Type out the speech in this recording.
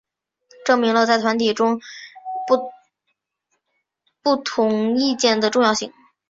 证明了在团体中不同意见的重要性。